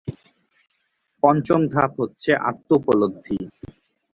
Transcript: পঞ্চম ধাপ হচ্ছে আত্ম উপলব্ধি।